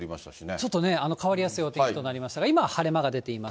ちょっとね、変わりやすいお天気となりましたが、今は晴れ間が出ています。